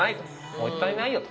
もったいないよと。